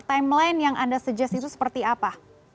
timeline yang anda sujudge itu seperti apa